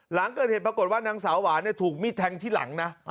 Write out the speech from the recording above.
หลังเกิดเหตุปรากฏว่านางสาวหวานถูกมีดแทงที่หลังนะ